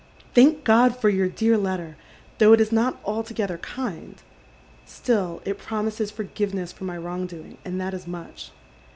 " Thank God for your dear letter, though it is not altogether kind. Still it promises forgiveness for my wrong doing, and that is much.